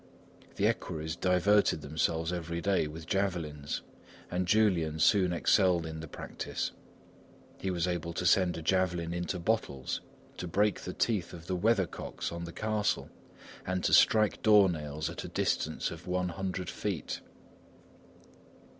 The equerries diverted themselves every day with javelins and Julian soon excelled in the practice. He was able to send a javelin into bottles, to break the teeth of the weather cocks on the castle and to strike door nails at a distance of one hundred feet.